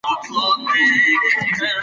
ملاله به تل یاده سوې وه.